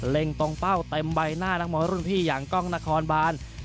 ตรงเป้าเต็มใบหน้านักมวยรุ่นพี่อย่างกล้องนครบาน